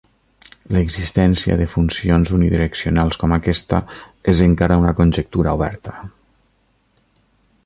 L'existència de funcions unidireccionals com aquesta és encara una conjectura oberta.